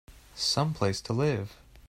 Some place to live!